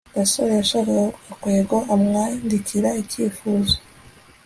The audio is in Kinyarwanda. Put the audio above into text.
gasore yashakaga ko gakwego amwandikira icyifuzo